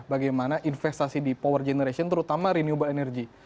bagaimana investasi di power generation terutama renewable energy